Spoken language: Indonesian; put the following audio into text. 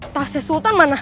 tasnya sultan mana